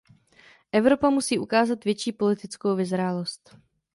Evropa musí ukázat větší politickou vyzrálost.